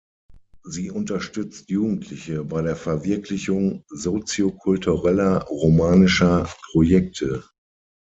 Sie unterstützt Jugendliche bei der Verwirklichung soziokultureller, romanischer Projekte.